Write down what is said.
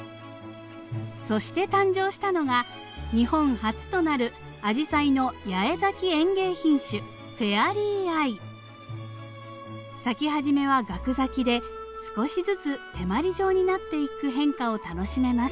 そして誕生したのが日本初となるアジサイの八重咲き園芸品種咲き始めはガク咲きで少しずつ手まり状になっていく変化を楽しめます。